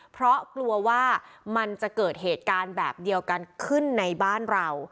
เพราะกลัวว่ามันจะเกิดเหตุการณ์แบบเดียวกันขึ้นในบ้านเรา